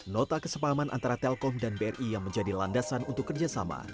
nota kesepahaman antara telkom dan bri yang menjadi landasan untuk kerjasama